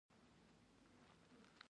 د بریښنا ستونزې مو څوک حلوی؟ برقي راغواړم